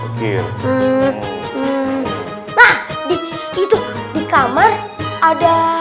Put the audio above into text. nah di di itu di kamar ada